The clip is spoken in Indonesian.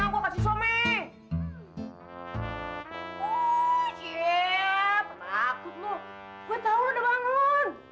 gue tahu lo udah bangun